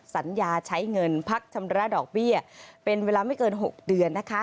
สัญญาใช้เงินพักชำระดอกเบี้ยเป็นเวลาไม่เกิน๖เดือนนะคะ